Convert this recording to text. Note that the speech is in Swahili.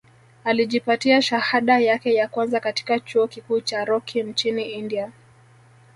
Alijipatia shahada yake ya kwanza katika chuo kikuu cha Rocky nchini India